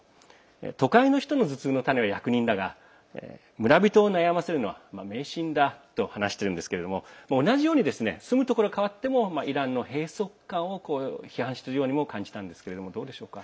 都会の人の頭痛の種は役人だが村人を悩ませるのは迷信だと話しているんですけれども同じように住むところが変わってもイランの閉塞感を批判しているようにも感じたんですけどどうでしょうか？